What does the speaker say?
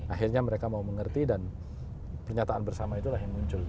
akhirnya mereka mau mengerti dan pernyataan bersama itulah yang muncul